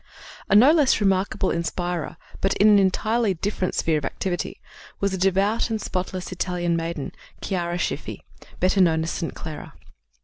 " A no less remarkable inspirer, but in an entirely different sphere of activity, was the devout and spotless Italian maiden, Chiara Schiffi, better known as St. Clara.